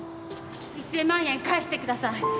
１千万円返してください！